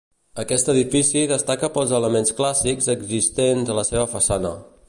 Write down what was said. Aquest edifici destaca pels elements clàssics existents a la seva façana.